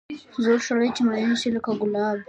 زوړ سړی چې مېن شي لکه ګلاب.